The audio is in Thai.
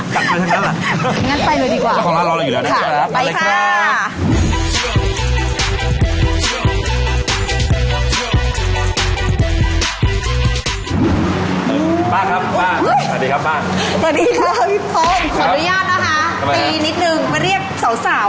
ปี่นิดนึงมาเรียกสาวว่าป้าได้ยังไงค่ะ